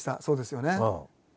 そうですよね。